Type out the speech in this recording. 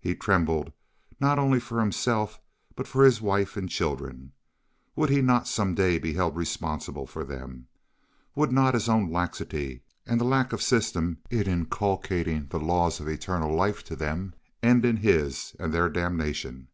He trembled not only for himself, but for his wife and children. Would he not some day be held responsible for them? Would not his own laxity and lack of system in inculcating the laws of eternal life to them end in his and their damnation?